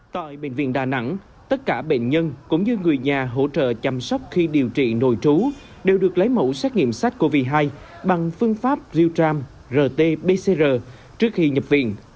tại bệnh viện đà nẵng tất cả bệnh nhân cũng như người nhà hỗ trợ chăm sóc khi điều trị nội trú đều được lấy mẫu xét nghiệm sars cov hai bằng phương pháp realm rt pcr trước khi nhập viện